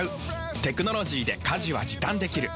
テクノロジーで家事は時短できる。